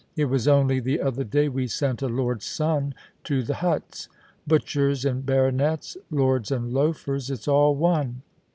It was only the other day we sent a lord's son to the huts. Butchers and baronets — lords and loafers — it's all one.